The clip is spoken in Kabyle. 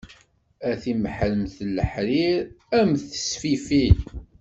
A timeḥremt n leḥrir, a m tesfifin.